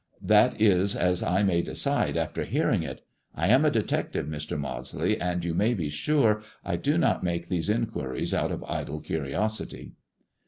" That is as I may decide after hearing it. I am a de tective, Mr. Maudsley, and, you may be sure, I do not make these inquiries out of idle curiosity."